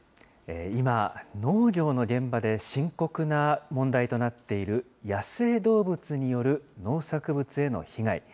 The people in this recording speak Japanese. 今、農業の現場で深刻な問題となっている野生動物による農作物への被害。